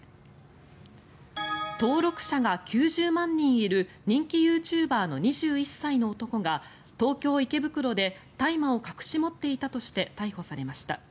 登録者が９０万人いる人気ユーチューバーの２１歳の男が東京・池袋で大麻を隠し持っていたとして逮捕されました。